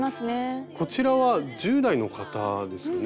こちらは１０代の方ですね。